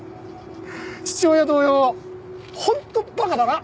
父親同様本当馬鹿だな！